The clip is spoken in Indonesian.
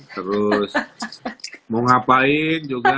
terus mau ngapain juga